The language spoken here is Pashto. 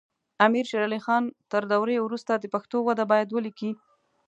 امیر شیر علی خان تر دورې وروسته د پښتو وده باید ولیکي.